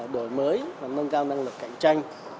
đổi mới và nâng cao năng lực cạnh tranh